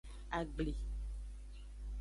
Agbli.